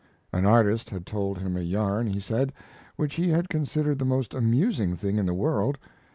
An artist had told him a yarn, he said, which he had considered the most amusing thing in the world.